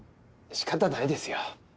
しかたないですよ。